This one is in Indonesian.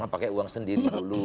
pakai uang sendiri dulu